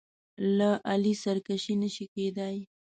له علي سرکشي نه شي کېدای.